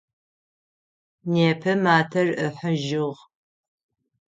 Непэ матэр ыхьыжьыгъ.